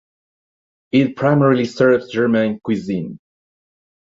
It primarily serves German cuisine.